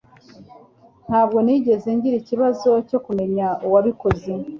ntabwo nigeze ngira ikibazo cyo kumenya uwabikoze